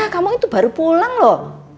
kamu itu baru pulang loh